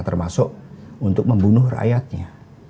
termasuk untuk membunuh rakyatnya